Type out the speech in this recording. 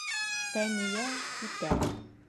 Фәниә китә.